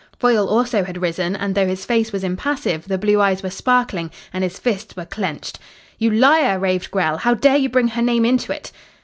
Foyle also had risen, and though his face was impassive the blue eyes were sparkling and his fists were clenched. "You liar!" raved Grell. "How dare you bring her name into it!"